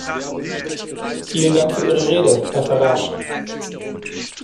Vielen Dank für Ihre Rede, Herr Farage.